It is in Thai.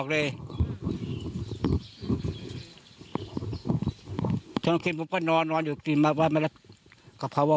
๑๒๘เลยเชื่อมั้ยไหวตัวไปค่าเขาวะ